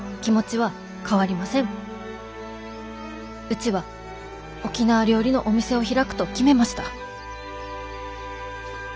うちは沖縄料理のお店を開くと決めました」。